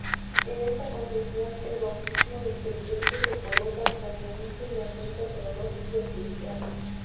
En esta confesión, el bautismo del creyente se coloca como un fundamento teológico esencial.